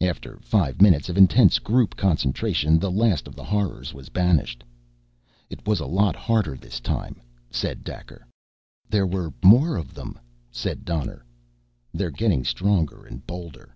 After five minutes of intense group concentration, the last of the horrors was banished. "It was a lot harder this time," said Daker. "There were more of them," said Donner. "They're getting stronger and bolder."